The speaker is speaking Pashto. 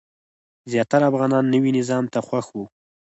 زیاتره افغانان نوي نظام ته خوښ وو.